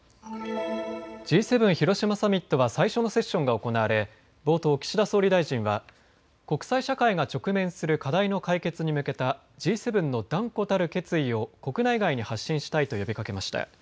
Ｇ７広島サミットは最初のセッションが行われ冒頭、岸田総理大臣は国際社会が直面する課題の解決に向けたＧ７の断固たる決意を国内外に発信したいと呼びかけました。